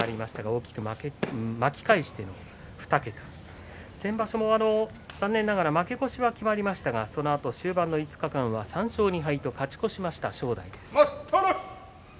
大きく巻き替えしまして２桁、先場所も残念ながら負け越しは決まりましたがそのあと終盤の５日間は３勝２敗と勝ち越しています。